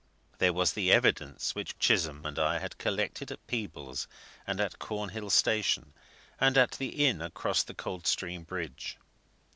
There was the evidence which Chisholm and I had collected in Peebles and at Cornhill station, and at the inn across the Coldstream Bridge.